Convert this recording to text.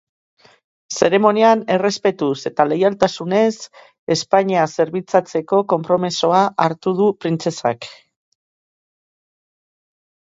Zeremonian "errespetuz eta leialtasunez" Espainia zerbitzatzeko konpromisoa hartu du printzesak.